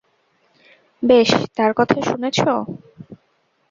বেশ, তার কথা শুনেছ!